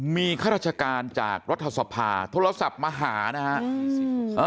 มีข้าราชการจากรัฐสภาโทรศัพท์มาหานะครับ